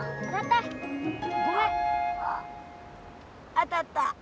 当たった。